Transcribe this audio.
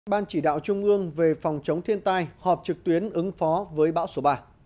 ban chỉ đạo trung ương về phòng chống thiên tai họp trực tuyến ứng phó với bão số ba